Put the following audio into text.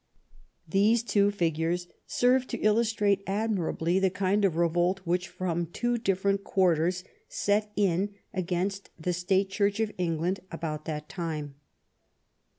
These two figures served to illustrate admirably the kind of revolt which from two different quarters set in against the State Church of England about that time.